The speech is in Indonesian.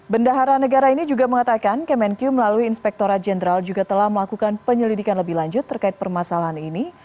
bendahara negara ini juga mengatakan kemenq melalui inspektora jenderal juga telah melakukan penyelidikan lebih lanjut terkait permasalahan ini